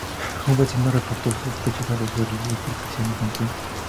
Un vecino reportó sus sospechas a los servicios de protección infantil.